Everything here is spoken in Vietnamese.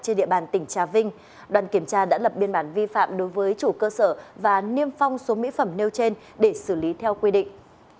trên địa bàn tỉnh trà vinh đoàn kiểm tra đã lập biên bản vi phạm đối với chủ cơ sở và niêm phong số mỹ phẩm nêu trên để xử lý theo quy định